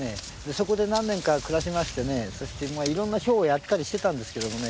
そこで何年か暮らしましていろんなショーをやったりしてたんですけどもね